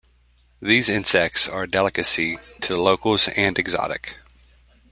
These insects are a delicacy to the locals and exotic.